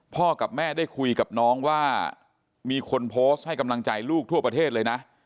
กับแม่ได้คุยกับน้องว่ามีคนโพสต์ให้กำลังใจลูกทั่วประเทศเลยนะ